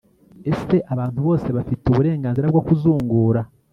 ese abantu bose bafite uburenganzira bwo kuzungura